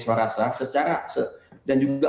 suara rasa secara dan juga